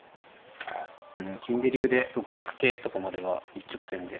うん金で竜で６六桂とかまでは一直線で。